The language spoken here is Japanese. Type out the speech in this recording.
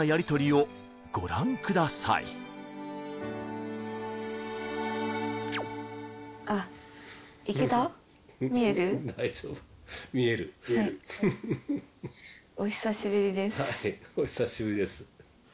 はいお久しぶりです。